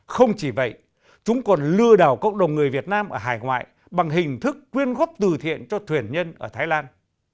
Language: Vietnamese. không chỉ vậy chúng còn lừa đảo cộng đồng người việt nam ở hải ngoại bằng hình thức quyên góp từ thiện cho thuyền nhân ở thái lan